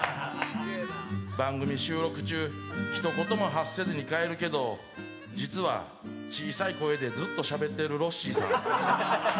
番組収録中、ひと言も発せずに帰るけど、実は小さい声でずっとしゃべっているロッシーさん。